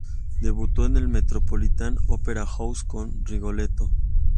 Debutó en el Metropolitan Opera House, con "Rigoletto".